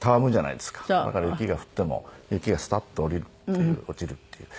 だから雪が降っても雪がスタッと下りるっていう落ちるっていう。